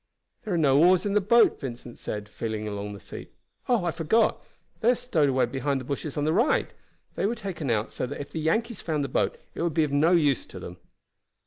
"There are no oars in the boat," Vincent said, feeling along the seat. "Oh! I forgot! They are stowed away behind the bushes on the right; they were taken out, so that if the Yankees found the boat it would be of no use to them."